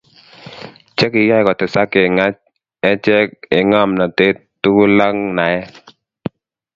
Che kiyai kotesak eng' achek eng' ng'omnatet tugul ak naet.